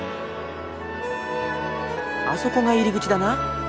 あそこが入り口だな。